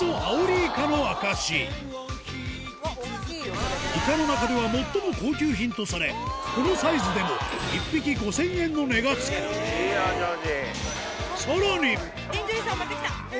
イカの中では最も高級品とされこのサイズでも一匹５０００円の値が付く円城寺さんまた来た！